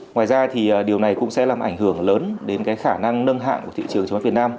ngoài ra thì điều này cũng sẽ làm ảnh hưởng lớn đến cái khả năng nâng hạng của thị trường chứng khoán việt nam